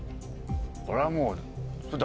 これはもう。